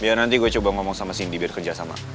biar nanti gue coba ngomong sama cindy biar kerja sama